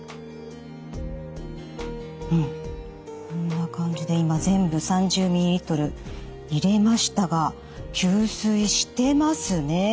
こんな感じで今全部３０ｍＬ入れましたが吸水してますね